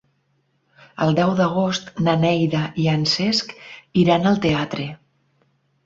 El deu d'agost na Neida i en Cesc iran al teatre.